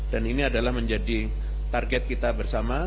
dan ini adalah menjadi target kita bersama